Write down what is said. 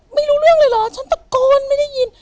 ไม่รู้เรื่องเลยเหรอฉันตะโกนไม่ได้ยิน